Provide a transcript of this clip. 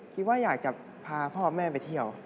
คิดว่าอยากจะพาพ่อแม่ไปเที่ยว